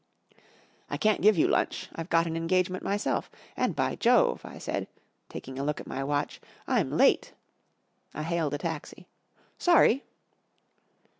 " I can't give you lunch. I've got an engagement myself. And, by Jove," I said, taking a look at my watch, "I'm late." I hailed a taxi. " Sorry."